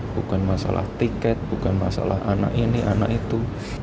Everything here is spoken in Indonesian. bukan masalah tiket bukan masalah anak ini anak itu